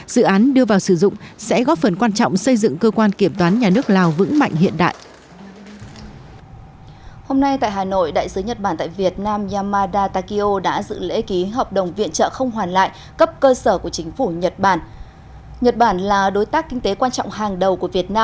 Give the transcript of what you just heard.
dự án đưa vào sử dụng sẽ góp phần quan trọng xây dựng cơ quan kiểm toán nhà nước lào vững mạnh hiện đại